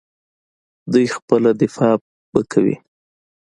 دوی خپله دفاع به کوي.